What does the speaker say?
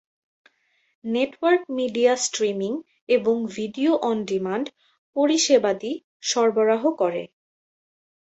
Network media streaming এবং video on demand পরিষেবাদি সরবরাহ করে।